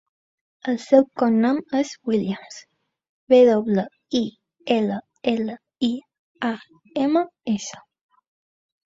El seu cognom és Williams: ve doble, i, ela, ela, i, a, ema, essa.